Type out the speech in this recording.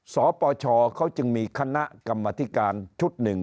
สปชเขาจึงมีคณะกรรมธิการชุดหนึ่ง